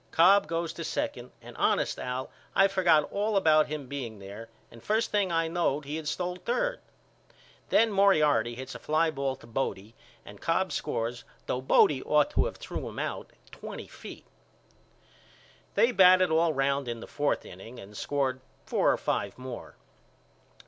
Cobb goes to second and honest Al I forgot all about him being there and first thing I knowed he had stole third. Then Moriarity hits a fly ball to Bodie and Cobb scores though Bodie ought to of threw him out twenty feet. They batted all round in the fourth inning and scored four or five more.